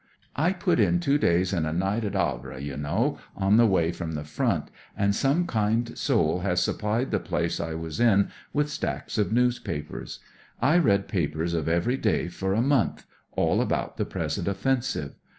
I put in two days and a night at Havre, you know, on the way from the front, and some kind soul has supplied the place I was in with stacks of newspapers. I read papers of every day for a month ; all about the present offensive.